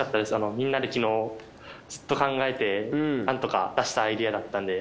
みんなで昨日ずっと考えてなんとか出したアイデアだったので。